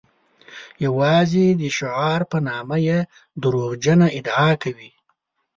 یوازې د شعار په نامه یې دروغجنه ادعا کوي.